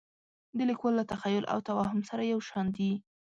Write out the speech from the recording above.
د لیکوال له تخیل او توهم سره یو شان دي.